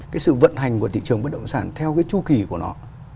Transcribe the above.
cái sự vận hành của thị trường bất động sản theo cái chu kỳ của nó